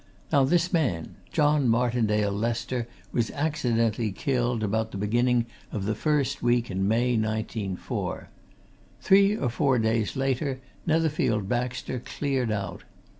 Now, this man, John Martindale Lester, was accidentally killed about the beginning of the first week in May 1904. Three or four days later, Netherfield Baxter cleared out.